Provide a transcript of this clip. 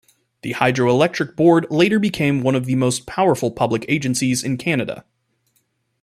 The Hydro-Electric Board later became one of the most powerful public agencies in Canada.